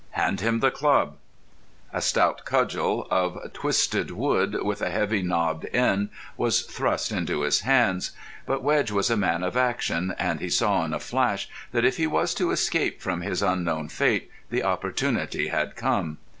"Hand him the club." A stout cudgel of twisted wood, with a heavy nobbed end, was thrust into his hands. But Wedge was a man of action, and he saw in a flash that if he was to escape from his unknown fate the opportunity had come.